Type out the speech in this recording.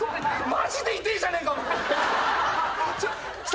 マジで痛えじゃねえか。来た。